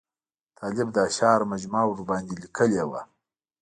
د طالب د اشعارو مجموعه ورباندې لیکلې وه.